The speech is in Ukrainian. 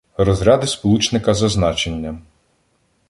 Розряди сполучника за значенням